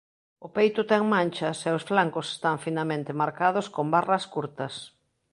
O peito ten manchas e os flancos están finamente marcados con barras curtas.